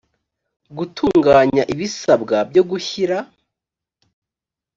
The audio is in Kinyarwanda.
gutunganya ibisabwa byo gushyira